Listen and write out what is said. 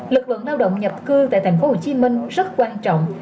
lực lượng lao động nhập cư tại tp hcm rất quan trọng